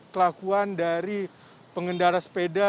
kelakuan dari pengendara sepeda